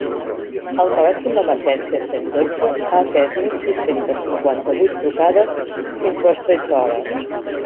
El telèfon d’emergències cent dotze ha atès mil sis-cents cinquanta-vuit trucades fins les tretze hores.